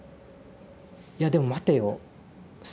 いやでも待てよ。